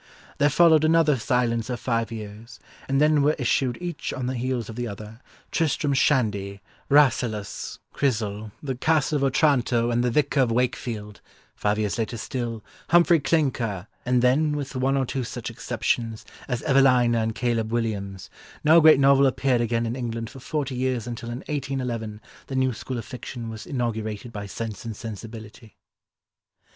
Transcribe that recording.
there followed another silence of five years, and then were issued each on the heels of the other, Tristram Shandy, Rasselas, Chrysal, The Castle of Otranto and The Vicar of Wakefield—five years later still—Humphrey Clinker, and then, with one or two such exceptions as Evelina and Caleb Williams, no great novel appeared again in England for forty years until in 1811 the new school of fiction was inaugurated by Sense and Sensibility."